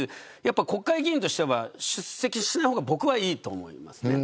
国会議員としては出席しない方が僕は、いいと思います。